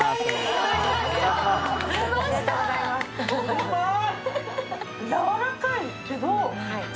うまい！